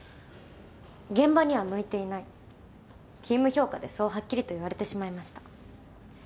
現場には向いていない勤務評価でそうはっきりと言われてしまいました。